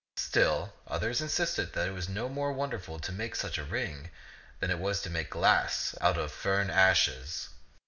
Still others insisted that it was no more won derful to make such a ring than it was to make glass out of fern ashes.